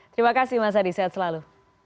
terima kasih mas adi sehat selalu